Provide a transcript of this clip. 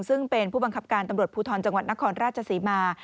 ซึ่งเป็นผู้บังคับการตำรวจภูทรจังหวัดนครราชศรีมา